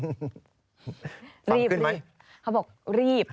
ฟังขึ้นไหมรีบเขาบอกรีบ